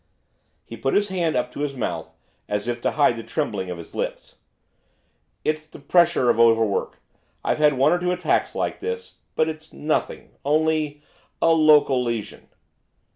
He put his hand up to his mouth, as if to hide the trembling of his lips. 'It's the pressure of overwork, I've had one or two attacks like this, but it's nothing, only a local lesion.